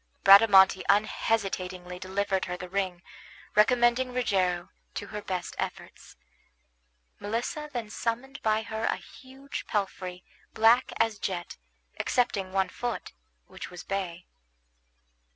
Bradamante unhesitatingly delivered her the ring, recommending Rogero to her best efforts. Melissa then summoned by her art a huge palfrey, black as jet, excepting one foot, which was bay.